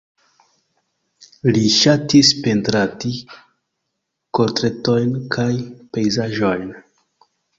Li ŝatis pentradi portretojn kaj pejzaĝojn.